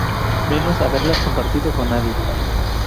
menos haberlas compartido con nadie